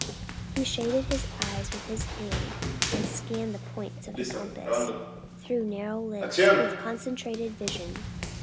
He shaded his eyes with his hand and scanned the points of the compass through narrowed lids with concentrated vision.